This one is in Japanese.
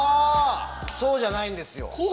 そうじゃないんですよ。